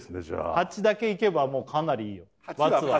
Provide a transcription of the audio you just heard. じゃあ８だけいけばもうかなりいいよ